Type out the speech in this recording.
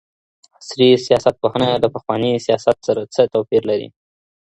عصري سياستپوهنه د پخواني سياست سره څه توپير لري؟